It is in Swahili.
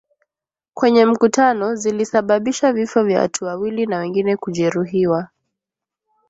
kwenye mkutano zilisababisha vifo vya watu wawili na wengine kujeruhiwa